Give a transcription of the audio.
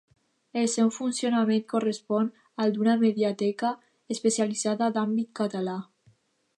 El seu funcionament correspon al d'una mediateca especialitzada d'àmbit català.